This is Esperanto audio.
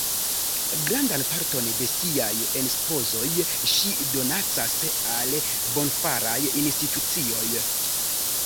Grandan parton de siaj enspezoj ŝi donacas al bonfaraj institucioj.